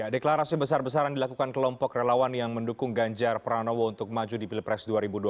deklarasi besar besaran dilakukan kelompok relawan yang mendukung ganjar pranowo untuk maju di pilpres dua ribu dua puluh